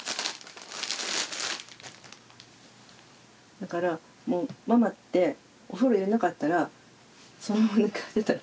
だからもうママってお風呂入れなかったらそのまま寝かせてたの。